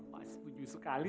bapak setuju sekali